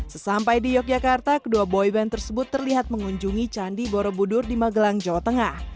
sesampai di yogyakarta kedua boyband tersebut terlihat mengunjungi candi borobudur di magelang jawa tengah